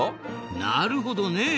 なるほどね。